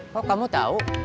kok kamu tahu